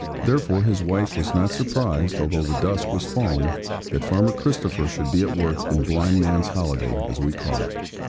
Therefore his wife was not surprised although the dusk was falling, that farmer Christopher should be at work in 'blind man's holiday,' as we call it.